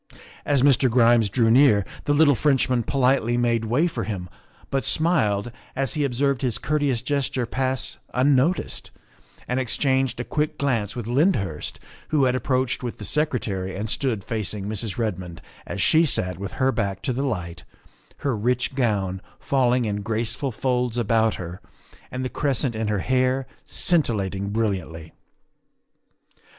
As Mr. Grimes drew near the little French man politely made way for him, but smiled as he ob served his courteous gesture pass unnoticed and ex changed a quick glance with Lyndhurst, who had ap proached with the Secretary and stood facing Mrs. Red mond as she sat with her back to the light, her rich gown falling in graceful folds about her and the cres cent in her hair scintillating brilliantly.